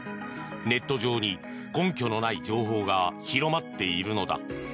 ネット上に根拠のない情報が広まっているのだ。